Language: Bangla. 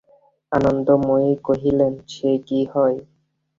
আনন্দময়ী কহিলেন, সে কি হয়!